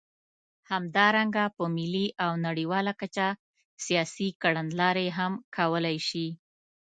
همدارنګه په ملي او نړیواله کچه سیاسي کړنلارې هم کولای شي.